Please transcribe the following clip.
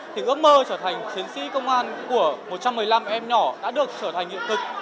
thì ước mơ trở thành chiến sĩ công an của một trăm một mươi năm em nhỏ đã được trở thành hiện thực